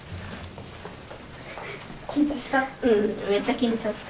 緊張した？